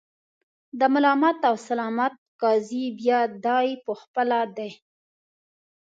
د ملامت او سلامت قاضي بیا دای په خپله دی.